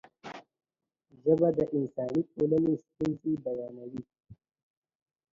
ژبه د انساني ټولنې ستونزې بیانوي.